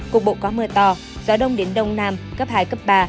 cục bộ có mưa to gió đông đến đông nam cấp hai cấp ba